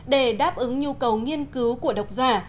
để đáp ứng nhu cầu nghiên cứu của độc giả